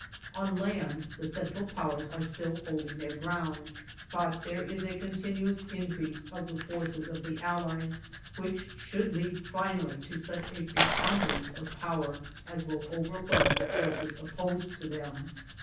On land, the Central Powers are still holding their ground, but there is a continuous increase of the forces of the Allies which should lead finally to such a preponderance of power as will overwhelm the forces opposed to them.